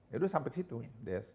ya sudah sampai ke situ des